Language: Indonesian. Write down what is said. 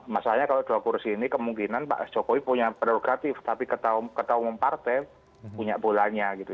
masalahnya kalau dua kursi ini kemungkinan pak jokowi punya prerogatif tapi ketua umum partai punya bolanya gitu